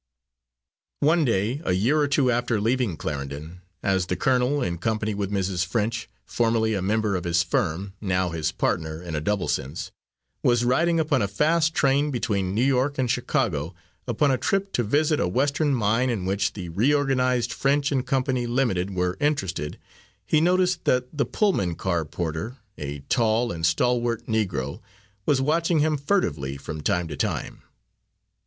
One day, a year or two after leaving Clarendon, as the colonel, in company with Mrs. French, formerly a member of his firm, now his partner in a double sense was riding upon a fast train between New York and Chicago, upon a trip to visit a western mine in which the reorganised French and Company, Limited, were interested, he noticed that the Pullman car porter, a tall and stalwart Negro, was watching him furtively from time to time.